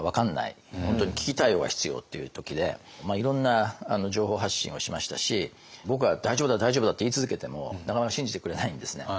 本当に危機対応が必要っていう時でいろんな情報発信をしましたし僕が大丈夫だ大丈夫だって言い続けてもなかなか信じてくれないんですね。